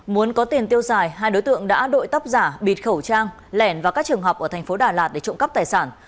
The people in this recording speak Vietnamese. muốn có tiền tiêu xài hai đối tượng đã đội tóc giả bịt khẩu trang lẻn vào các trường học ở thành phố đà lạt để trộm cắp tài sản